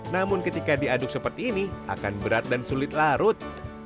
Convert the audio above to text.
namun ketika diaduk seperti ini akan berat dan sulit larut